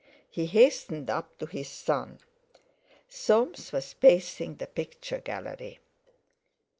He hastened up to his son. Soames was pacing the picture gallery.